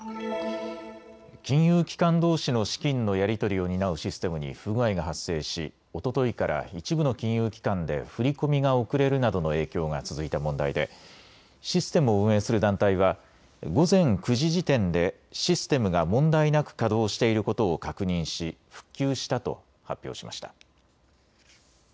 金融機関どうしの資金のやり取りを担うシステムに不具合が発生しおとといから一部の金融機関で振り込みが遅れるなどの影響が続いた問題でシステムを運営する団体は午前９時時点でシステムが問題なく稼働していることを確認し、復旧したと発表しました。